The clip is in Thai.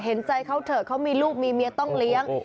เห็นใจเขาเถอะเขามีลูกมีเมียต้องเลี้ยง